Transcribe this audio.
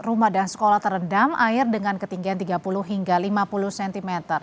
rumah dan sekolah terendam air dengan ketinggian tiga puluh hingga lima puluh cm